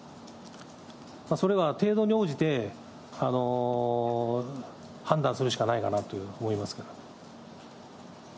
それは程度に応じて、判断するしかないかなと思いますけれども。